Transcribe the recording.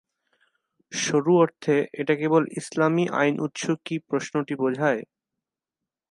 সরু অর্থে, এটা কেবল ইসলামী আইন উৎস কি প্রশ্নটি বোঝায়।